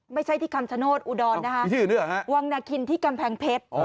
ไม่ใช่ที่คำชโนธอุดรนะคะวังนาคินที่กำแพงเพชร